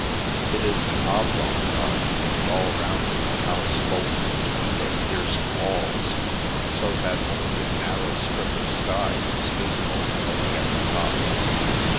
It is an oblong yard, and all round it the house folds its window pierced walls, so that only a narrow strip of sky is visible away at the top.